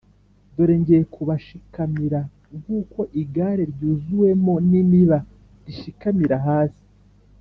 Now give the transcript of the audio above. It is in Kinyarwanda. Dore ngiye kubashikamira nk’uko igare ryuzuwemo n’imiba rishikamira hasi.